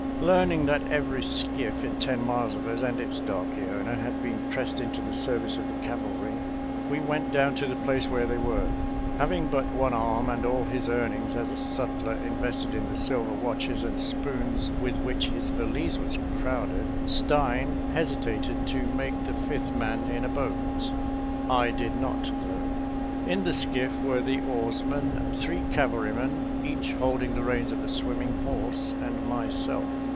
*•» Learning that every skiff in ten miles of us, and its darky owner, had been pressed into the service of the cavalry, we went down to the place where they were. Having but one arm, and all his earnings as a sutler invested in the silver watches and spoons with which his valise was crowded. Stein hesitated to make the fifth man in a boat. I did not, though. ••♦ In the skiff were the oarsman, three cavalry men, each holding the reins of a swimming horse, and myself.